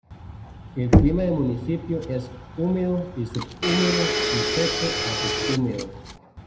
El clima del municipio es húmedo y subhúmedo y seco a subhúmedo.